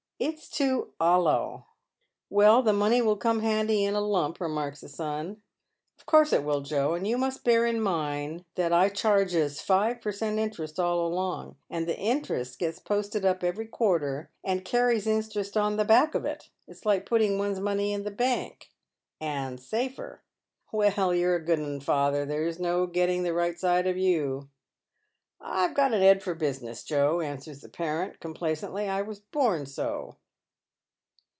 It's too 'oUow." " Well, the money will come handy in a lump," remarks the son. " Of course it will, Joe ; and you must bear in mind that 1 charges five per cent interest aU along — and the interest get* Stephen Trenchard surprises Ids IfViefuls. 311 Ji08>ed Tjp every quarter, and carries interest on the back of it. t's like putting one's money in the bank — and safer." " Well, you're a good 'un, father. There's no getting tho right side of you." " I've got an 'ed for business, Joe," answers the parent, com placently. " I was born so."